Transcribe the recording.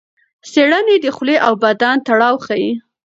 څېړنې د خولې او بدن تړاو ښيي.